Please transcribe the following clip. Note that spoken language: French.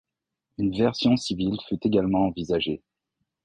Une version civile fut également envisagée.